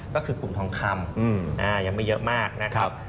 ก็คือกลุ่มทองคำยังไม่เยอะมากนะครับ